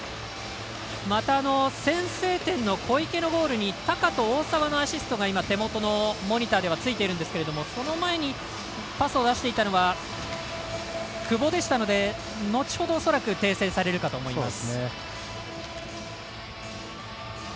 また、先制点の小池のゴールに高と大澤のアシストが手元のモニターではついているんですけど、その前にパスを出していたのは久保でしたので後ほど恐らく訂正されるかと思います。